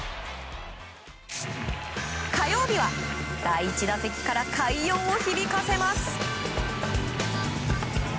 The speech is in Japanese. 火曜日は第１打席から快音を響かせます。